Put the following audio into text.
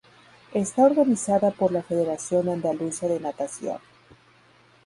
Está organizada por la Federación Andaluza de Natación.